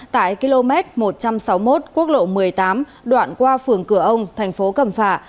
tại km một trăm sáu mươi một quốc lộ một mươi tám đoạn qua phường cửa ông thành phố cẩm phả